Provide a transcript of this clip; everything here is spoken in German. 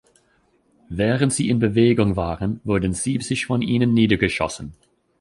Während sie in Bewegung waren, wurden siebzig von ihnen niedergeschossen.